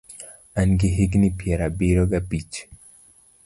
An gi higni piero abiriyo gabich.